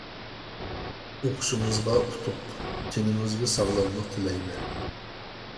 ئوقۇشىڭىزغا ئۇتۇق، تېنىڭىزگە ساغلاملىق تىلەيمەن.